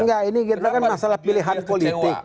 enggak ini masalah pilihan politik